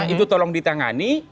itu tolong ditangani